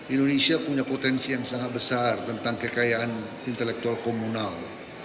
indonesia punya potensi yang sangat besar tentang kekayaan intelektual komunal